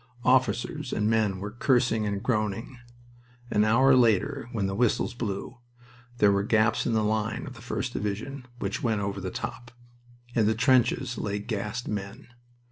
Officers and men were cursing and groaning. An hour later, when the whistles blew, there were gaps in the line of the 1st Division which went over the top. In the trenches lay gassed men.